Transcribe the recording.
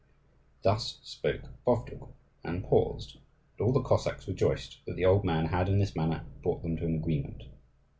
Thus spoke Bovdug, and paused; and all the Cossacks rejoiced that the old man had in this manner brought them to an agreement.